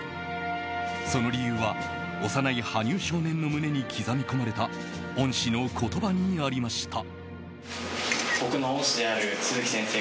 その理由は幼い羽生少年の胸に刻み込まれた恩師の言葉にありました。